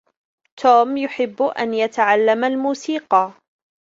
توم يحب أن يتعلم الموسيقى